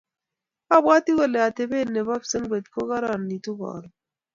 Abwati kole atepet nebo psengwet ko kararanitu karon